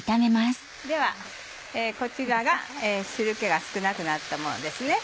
ではこちらが汁気が少なくなったものですね。